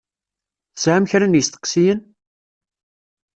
Tesεam kra n yisteqsiyen?